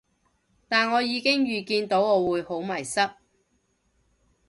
但我已經預見到我會好迷失